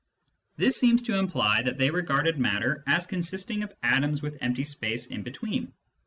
This seems to imply that they regarded matter as con sisting of atoms with empty space in between.